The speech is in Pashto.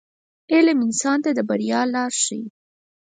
• علم انسان ته د بریا لار ښیي.